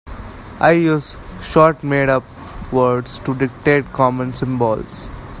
I use short made-up words to dictate common symbols.